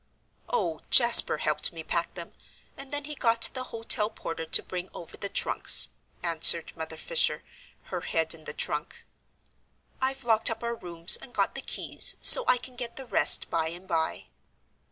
"Oh, Jasper helped me pack them, and then he got the hotel porter to bring over the trunks," answered Mother Fisher, her head in the trunk. "I've locked up our rooms, and got the keys, so I can get the rest by and by."